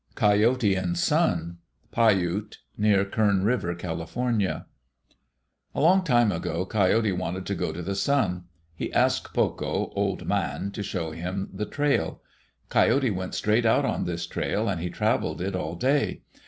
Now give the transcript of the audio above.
Coyote and Sun Pai Ute (near Kern River, Cal.) Along time ago, Coyote wanted to go to the sun. He asked Pokoh, Old Man, to show him the trail. Coyote went straight out on this trail and he travelled it all day.